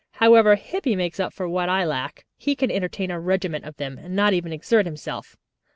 However, Hippy makes up for what I lack. He can entertain a regiment of them, and not even exert himself.